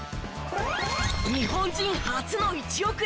日本人初の１億円